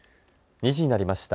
２時になりました。